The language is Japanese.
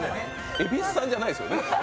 蛭子さんじゃないですよね？